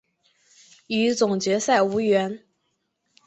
与总决赛无缘。